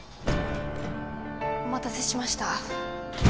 お待たせしました。